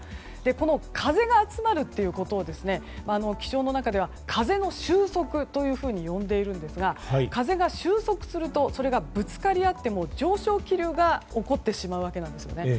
この風が集まるということを気象の中では風の収束と呼んでいるんですが風が収束するとぶつかり合って上昇気流が起こってしまうわけなんですね。